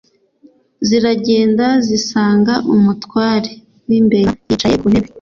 ziragenda zisanga umutware w'imbeba yicaye ku ntebe